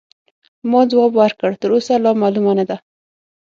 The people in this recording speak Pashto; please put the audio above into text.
ما ځواب ورکړ: تراوسه لا معلومه نه ده.